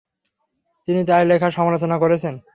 তিনি তার লেখায় সমালোচনা করেছেন।